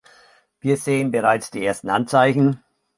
Wir sehen bereits die ersten Anzeichen.